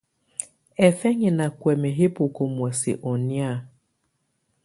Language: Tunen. Hɛfɛnyɛ́ ná kuɛ́mɛ́ yɛ́ bókó muɛ̀sɛ́ ɔ́ nɛ̀á.